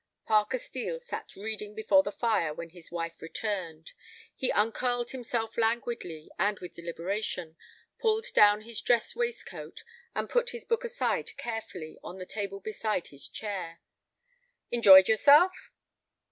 Parker Steel sat reading before the fire when his wife returned. He uncurled himself languidly and with deliberation, pulled down his dress waistcoat, and put his book aside carefully on the table beside his chair. "Enjoyed yourself?"